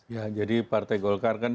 ya jadi partai golkar kan